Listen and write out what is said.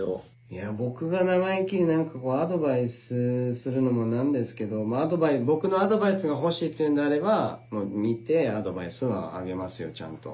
いや僕が生意気に何かこうアドバイスするのも何ですけど僕のアドバイスが欲しいっていうんであれば見てアドバイスはあげますよちゃんと。